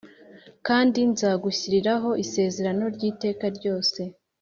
kandi nzagushyiriraho isezerano ry’iteka ryose